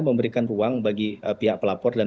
memberikan ruang bagi pihak pelapor dan